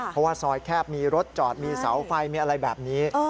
เพราะว่าซอยแคบมีรถจอดมีเสาไฟมีอะไรแบบนี้